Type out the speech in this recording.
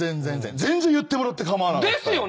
全然言ってもらって構わなかったよ。ですよね。